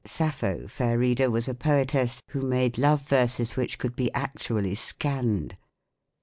Sappho, fair reader, was a poetess, who made love verses which could be actually scanned.